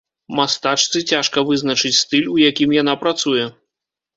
Мастачцы цяжка вызначыць стыль, у якім яна працуе.